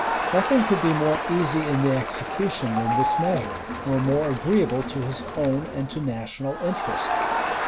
Nothing could be more easy in the execution than this measure, nor more agreeable to his own and to national interest.